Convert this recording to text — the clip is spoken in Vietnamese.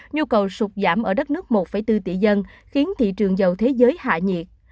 nhu cầu sụt giảm ở đất nước một bốn tỷ dân khiến thị trường dầu thế giới hạ nhiệt